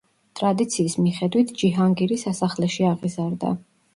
ტრადიციის მიხედვით ჯიჰანგირი სასახლეში აღიზარდა.